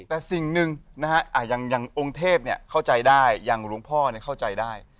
แต่สิ่งหนึ่งนะฮะอย่างองค์เทพเข้าใจได้อย่างหลวงพ่อเข้าใจได้